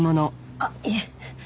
あっいえ。